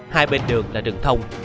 hai bên đường là đường thông